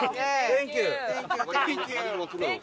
サンキュー！